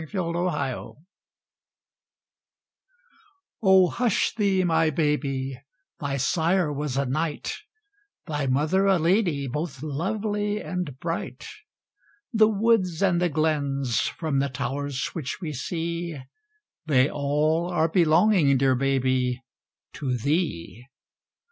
CRADLE SONG O hush thee, my baby, thy sire was a knight, Thy mother a lady, both lovely and bright; The woods and the glens, from the towers which we see, They all are belonging, dear baby, to thee.